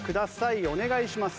お願いします。